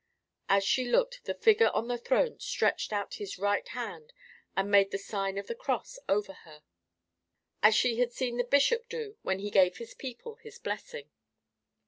As she looked the figure on the throne stretched out His right hand and made the sign of the cross over her, as she had seen the Bishop do when he gave his people his blessing.